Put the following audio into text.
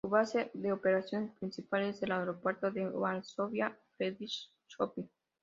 Su base de operaciones principal es el Aeropuerto de Varsovia Frederic Chopin.